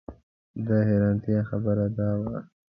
د حیرانتیا خبره دا وه.